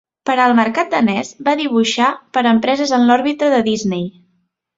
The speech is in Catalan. Per al mercat danès va dibuixar per a empreses en l'òrbita de Disney.